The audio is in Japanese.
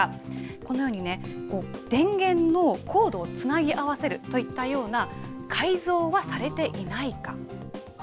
このようにね、電源のコードをつなぎ合わせるといったような改造はされていないか。